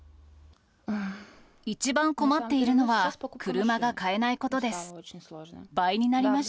一番困っているのは、車が買えないことです。